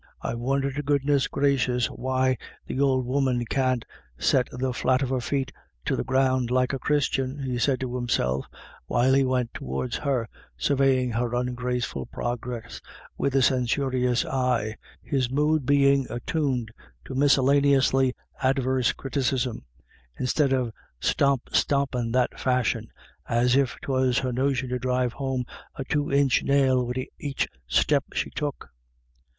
"I wonder to goodness gracious why th'ould 272 IRISH IDYLLS. woman can't set the flat of her feet to the ground like a Christian," he said to himself while he went towards her, surveying her ungraceful progress with a censorious eye, his mood being attuned to miscellaneously adverse criticism, " instead of stomp stompin' that fashion, as if 'twas her notion to drive home a two inch nail wid aich step she took."